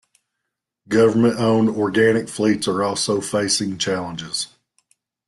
Government-owned organic fleets are also facing challenges.